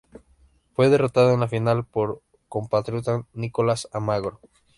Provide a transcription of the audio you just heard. Fue derrotado en la final por su compatriota Nicolás Almagro.